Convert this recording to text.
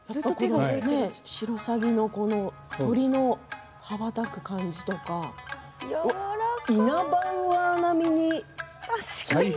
しろさぎの、鳥の羽ばたく感じとかイナバウアー並みに。